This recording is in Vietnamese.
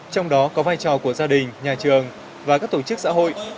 trong đó có vai trò của gia đình nhà trường và các tổ chức xã hội